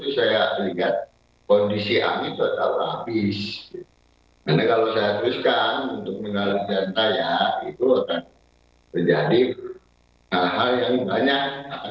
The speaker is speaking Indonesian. pihak yayasan menyebut jika kegiatan tersebut merupakan kegiatan wisuda yang sudah menjadi agenda tahunan dan telah disepakati orang tua siswa